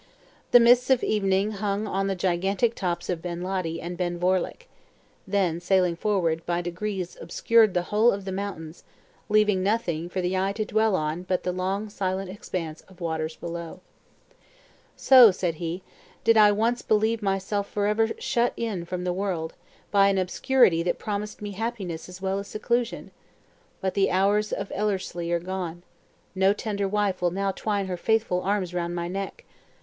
The mists of evening hung on the gigantic tops of Ben Ledi and Ben Vorlich; then sailing forward, by degrees obscured the whole of the mountains, leaving nothing for the eye to dwell on but the long silent expanse of the waters below. "So," said he, "did I once believe myself forever shut in from the world, by an obscurity that promised me happiness as well as seclusion! But the hours of Ellerslie are gone! No tender wife will now twine her faithful arms around my neck.